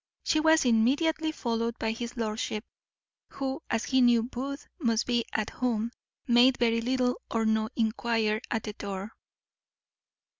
She was immediately followed by his lordship, who, as he knew Booth must be at home, made very little or no enquiry at the door.